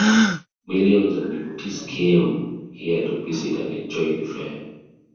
Millions of devotees come here to visit and enjoy the fair.